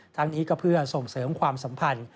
ทั้งนี้ก็เพื่อส่งเสริมความสัมพันธ์